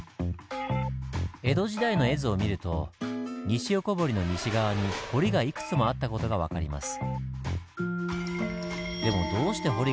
江戸時代の絵図を見ると西横堀の西側に堀がいくつもあった事が分かります。